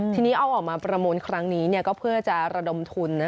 ทีนี้เอาออกมาประมูลครั้งนี้ก็เพื่อจะระดมทุน